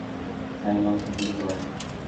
সাইমনকে গুলি করেন।